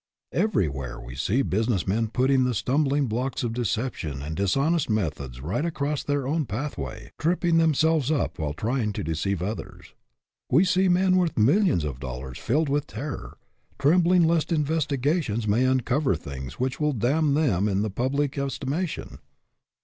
Everywhere we see business men putting the stumbling blocks of deception and dis honest methods right across their own path way, tripping themselves up while trying to deceive others. We see men worth millions of dollars filled with terror; trembling lest investigations may uncover things which will damn them in the public estimation